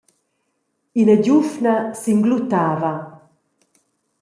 Ina giuvna singluttava.